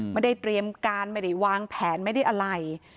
ไม่ได้เตรียมการไม่ได้วางแผนไม่ได้อะไร